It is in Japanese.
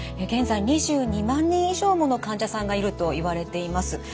現在２２万人以上もの患者さんがいるといわれています。